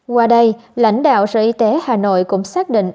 qua đây lãnh đạo sở y tế hà nội cũng xác định